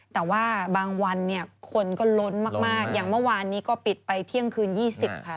แต่ว่าบางวันเนี่ยคนก็ล้นมากอย่างเมื่อวานนี้ก็ปิดไปเที่ยงคืน๒๐ค่ะ